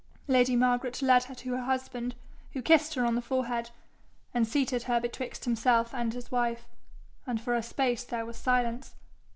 Lady Margaret led her to her husband, who kissed her on the forehead, and seated her betwixt himself and his wife; and for a space there was silence.